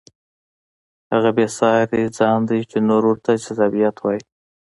هغه بې ساري ځان دی چې نور ورته جذابیت وایي.